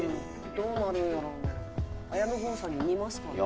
どうなるんやろうな。